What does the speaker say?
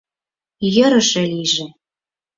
Йӧрышӧ лийже!